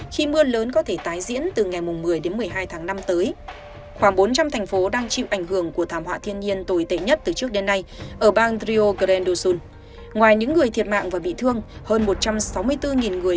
khi mưa lớn có thể tái diễn từ ngày một mươi đến một mươi hai tháng năm tới